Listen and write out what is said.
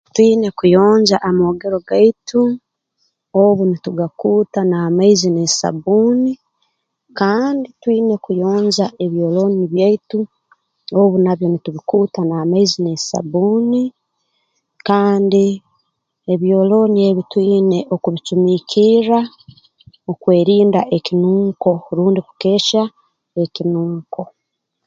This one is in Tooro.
Twiine kuyonja amoogero gaitu obu nitugakuuta n'amaizi n'esabbuuni kandi twine kuyonja ebyolooni byaitu obu nabyo nitubikuuta n'amaizi n'esabbuuni kandi ebyolooni ebi twine okubicumiikirra okwerinda ekinunko rundi kukehya ekinunko